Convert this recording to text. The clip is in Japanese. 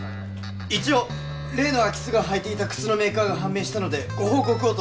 一応例の空き巣が履いていた靴のメーカーが判明したのでご報告をと。